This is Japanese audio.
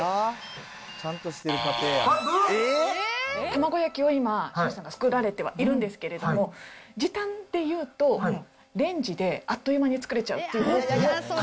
卵焼きを今、修士さんが作られてはいるんですけれども、時短っていうと、レンジであっという間に作れちゃうっていう。